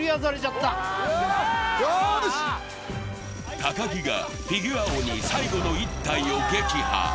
高木がフィギュア鬼、最後の１体を撃破。